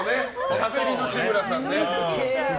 しゃべりの志村さんね。